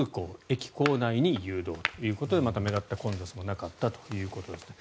駅構内に誘導ということでまた目立った混雑もなかったということですね。